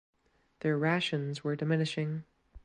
Their rations were diminishing.